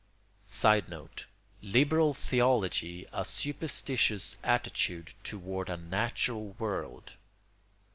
[Sidenote: Liberal theology a superstitious attitude toward a natural world.